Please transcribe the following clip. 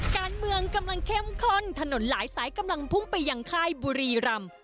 การเมืองกำลังเข้มข้นถนนหลายสายกำลังพุ่งไปยังค่ายบุรีรำ